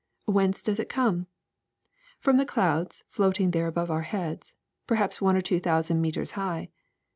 Whence does it come? From the clouds floating there above our heads, perhaps one or two thousand meters high.